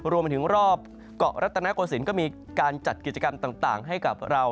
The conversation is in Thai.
รวมไปถึงรอบเกาะรัตนโกศิลป์ก็มีการจัดกิจกรรมต่างให้กับเรา